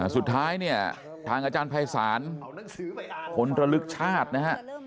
สุดท้ายเนี่ยทางอาจารย์ภัยศาลผลระลึกชาตินะฮะ